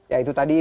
ya itu tadi